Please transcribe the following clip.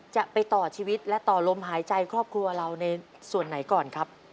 จะไปต่อชีวิตและต่อลมหายใจครอบครัวเราในส่วนไหนก่อนครับ